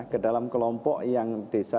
ke dalam kelompok yang desa